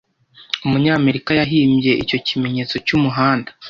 Umunyamerika yahimbye icyo kimenyetso cyumuhanda